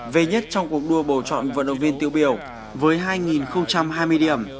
về nhất trong cuộc đua bầu chọn vận động viên tiêu biểu với hai hai mươi điểm